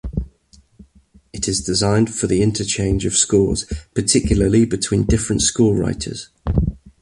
It is designed for the interchange of scores, particularly between different scorewriters.